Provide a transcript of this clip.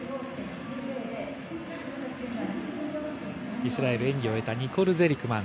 イスラエル、演技を終えたニコル・ゼリクマン。